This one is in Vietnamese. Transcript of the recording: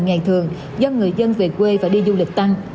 ngày thường do người dân về quê và đi du lịch tăng